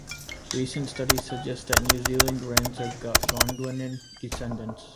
Recent studies suggest that New Zealand wrens are Gondwanan descendants.